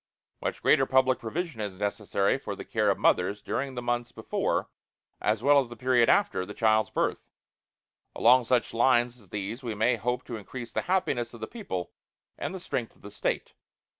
Much greater public provision is necessary for the care of mothers during the months before, as well as in the period after, the child's birth. Along such lines as these we may hope to increase the happiness of the people and the strength of the State.